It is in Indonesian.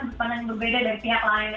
sebuah pandangan yang berbeda dari pihak lain